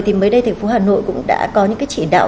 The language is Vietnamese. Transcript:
thì mới đây thành phố hà nội cũng đã có những cái chỉ đạo